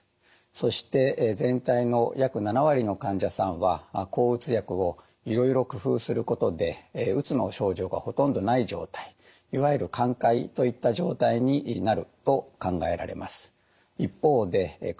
そして全体の約７割の患者さんは抗うつ薬をいろいろ工夫することでうつの症状がほとんどない状態いわゆる寛解といった状態になると考えられます。